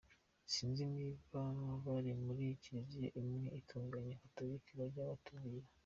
Sinzi niba bari muri Kiliziya imwe itunganye gatolika bajya batubwira.